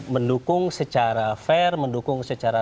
mendukung secara fair mendukung secara